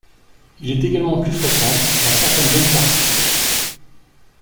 Il est également plus fréquent dans certaines zones karstiques.